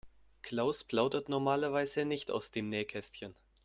Klaus plaudert normalerweise nicht aus dem Nähkästchen.